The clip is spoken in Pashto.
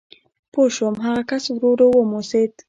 پوه شوم، هغه کس ورو ورو وموسېد.